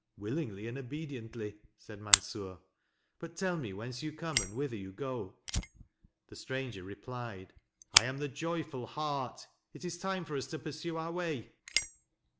"Willingly and obediently," said Mansur, " but tell me whence you come and whither you go." The stranger replied :" I am the Joyful Heart; it is time for us to pursue our way."